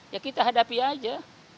ya kita hadapi aja